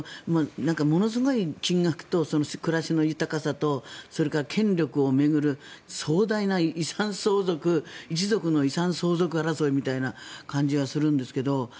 ものすごい金額と暮らしの豊かさとそれから権力を巡る壮大な遺産相続一族の遺産相続争いみたいな感じがするんですけど。